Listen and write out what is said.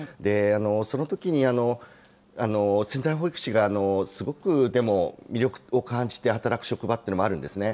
そのときに潜在保育士がすごくでも魅力を感じて働く職場っていうのもあるんですね。